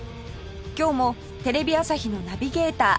今日もテレビ朝日のナビゲーター